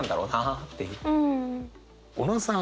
小野さん